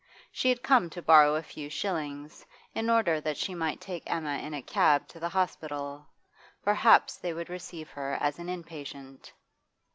She had come to borrow a few shillings> in order that she might take Emma in a cab to the hospital; perhaps they would receive her as an in patient.